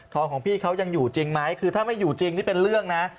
ของพี่เขายังอยู่จริงไหมคือถ้าไม่อยู่จริงนี่เป็นเรื่องนะ